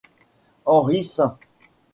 Henry St.